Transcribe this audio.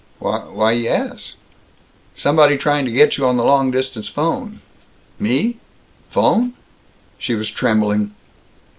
"W why, yes." "Somebody trying to get you on the long distance 'phone." "Me? 'Phone?" She was trembling.